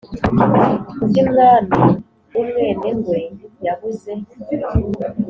undi mwami w'umwenengwe yabuze